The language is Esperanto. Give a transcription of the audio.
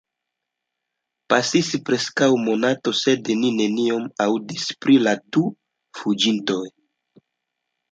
Pasis preskaŭ monato, sed ni nenion aŭdis pri la du fuĝintoj.